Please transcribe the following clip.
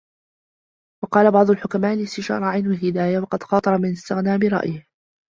وَقَالَ بَعْضُ الْحُكَمَاءِ الِاسْتِشَارَةُ عَيْنُ الْهِدَايَةِ وَقَدْ خَاطَرَ مَنْ اسْتَغْنَى بِرَأْيِهِ